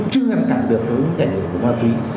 chưa hẳn cản được với cái hệ lực của ma túy